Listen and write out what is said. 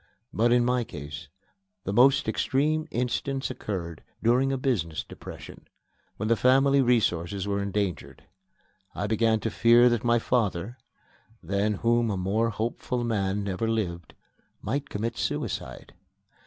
But in my case the most extreme instance occurred during a business depression, when the family resources were endangered. I began to fear that my father (than whom a more hopeful man never lived) might commit suicide.